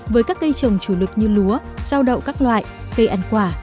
với các cây trồng chủ lực như lúa rau đậu các loại cây ăn quả